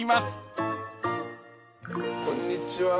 こんにちは。